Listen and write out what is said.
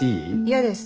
嫌です